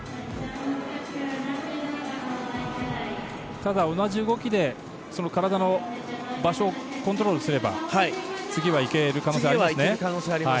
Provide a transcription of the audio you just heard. ただ同じ動きで、体の場所をコントロールすれば次はいける可能性があります。